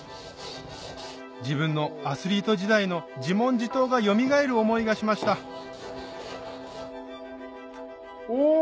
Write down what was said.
自分のアスリート時代の自問自答がよみがえる思いがしましたお！